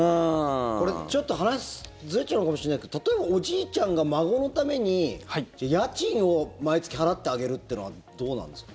これ、ちょっと話ずれちゃうかもしれないけど例えばおじいちゃんが孫のために家賃を毎月払ってあげるってのはどうなんですか？